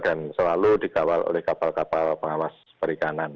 dan selalu dikawal oleh kapal kapal pengawas perikanan